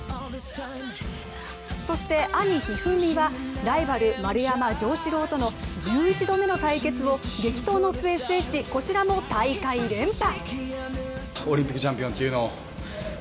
そして兄・一二三はライバル、丸山城志郎との１１度目の対決を激闘の末制し、こちらも大会連覇。